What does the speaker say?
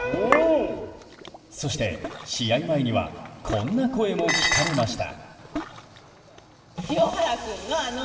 そして、試合前にはこんな声も聞かれました。